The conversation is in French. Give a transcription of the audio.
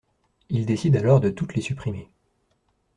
Il décide alors de toutes les supprimer...